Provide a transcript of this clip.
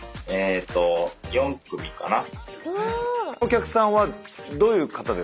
今お客さんはどういう方ですか。